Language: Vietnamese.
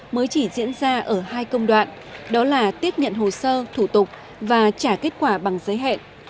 mới chỉ diễn ra ở hai công đoạn đó là tiếp nhận hồ sơ thủ tục và trả kết quả bằng giới hẹn